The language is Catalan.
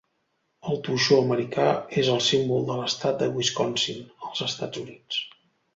El toixó americà és el símbol de l'estat de Wisconsin, als Estats Units.